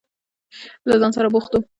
له ځان سره بوخت و.